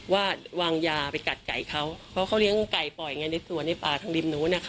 ว่าวางยาไปกัดไก่เขาเพราะเขาเลี้ยงไก่ปล่อยไงในสวนในป่าทางริมนู้นนะคะ